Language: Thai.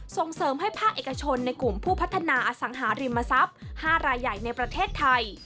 ส่งเสริมให้ภาคเอกชนในกลุ่มผู้พัฒนาอสังหาริมทรัพย์๕รายใหญ่ในประเทศไทย